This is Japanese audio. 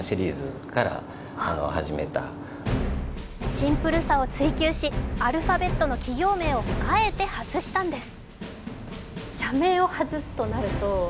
シンプルさを追求し、アルファベットの企業名をあえて外したんです